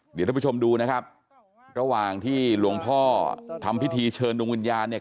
เดี๋ยวท่านผู้ชมดูนะครับระหว่างที่หลวงพ่อทำพิธีเชิญดวงวิญญาณเนี่ย